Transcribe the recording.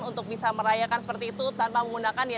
untuk bisa merayakan seperti itu tanpa menggunakan